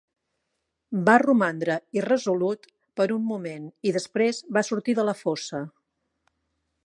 Va romandre irresolut per un moment i després va sortir de la fossa.